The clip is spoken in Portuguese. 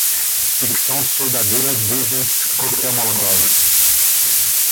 fricção, soldadura, brisance, coquetel molotov